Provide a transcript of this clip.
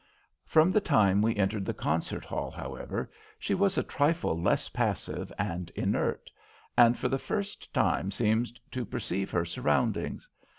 From the time we entered the concert hall, however, she was a trifle less passive and inert, and for the first time seemed to perceive her surroundings.